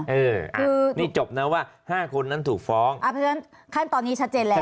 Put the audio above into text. เออนี่จบนะว่าห้าคนนั้นถูกฟ้องเพราะฉะนั้นขั้นตอนนี้ชัดเจนแล้ว